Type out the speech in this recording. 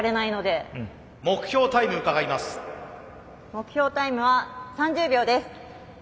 目標タイムは３０秒です。